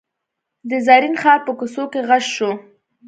د زرین ښار په کوڅو کې غږ شو.